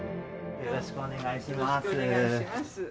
よろしくお願いします。